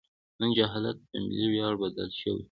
نن جهالت په ملي ویاړ بدل شوی.